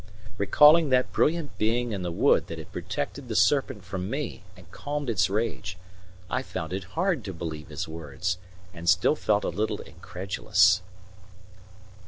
Recalling that brilliant being in the wood that had protected the serpent from me and calmed its rage, I found it hard to believe his words, and still felt a little incredulous.